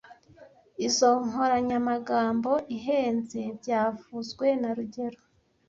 Izoi nkoranyamagambo ihenze byavuzwe na rugero